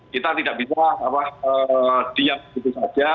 kita tidak bisa diam begitu saja